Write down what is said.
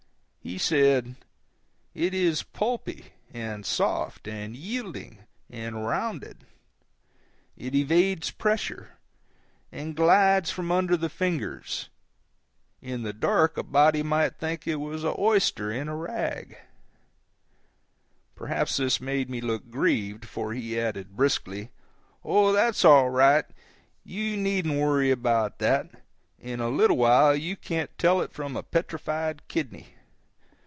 He said, "It is pulpy, and soft, and yielding, and rounded; it evades pressure, and glides from under the fingers; in the dark a body might think it was an oyster in a rag." Perhaps this made me look grieved, for he added, briskly: "Oh, that's all right, you needn't worry about that; in a little while you can't tell it from a petrified kidney.